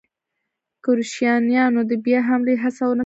کروشیایانو د بیا حملې هڅه ونه کړل.